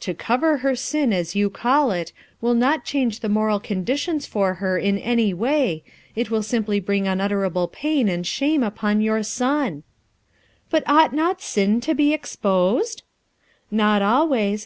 To 'cover' her sin, as you call it, will not change the moral conditions for her in any way, it will simply bring unutter able pain and shame upon your son," "But ought not sin to be exposed?" "Not always.